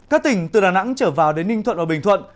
các tỉnh từ đà nẵng trở vào đến ninh thuận và bình thuận